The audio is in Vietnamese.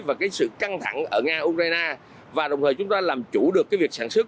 và cái sự căng thẳng ở nga ukraine và đồng thời chúng ta làm chủ được cái việc sản xuất